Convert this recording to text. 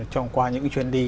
trong qua những chuyến đi